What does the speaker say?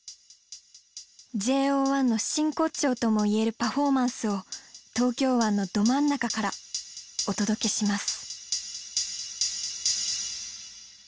ＪＯ１の真骨頂とも言えるパフォーマンスを東京湾のど真ん中からお届けします。